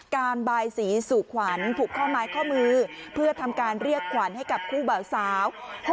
บายสีสู่ขวัญผูกข้อไม้ข้อมือเพื่อทำการเรียกขวัญให้กับคู่เบาสาว